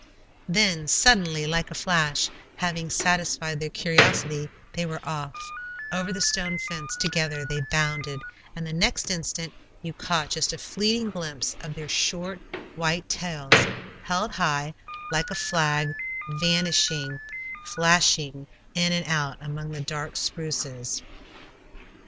Then, suddenly, like a flash, having satisfied their curiosity, they were off over the stone fence together they bounded, and the next instant you caught just a fleeting glimpse of their short, white tails, held high, like a flag, vanishing, flashing in and out among the dark spruces.